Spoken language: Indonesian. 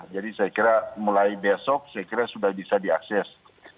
jadi saya kira mulai besok saya kira sudah bisa diakses